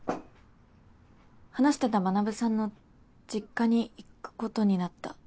話してた学さんの実家に行くことになった。